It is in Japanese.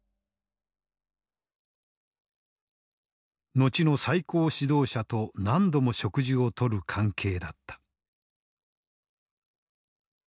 後の最高指導者と何度も食事をとる関係だった。